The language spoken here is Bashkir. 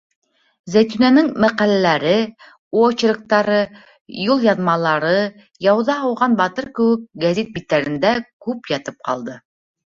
Зәйтүнәнең мәҡәләләре, очерктары, юлъяҙмалары, яуҙа ауған батыр кеүек, гәзит биттәрендә күп ятып ҡалды.